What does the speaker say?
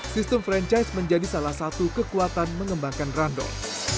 sistem franchise menjadi salah satu kekuatan mengembangkan randol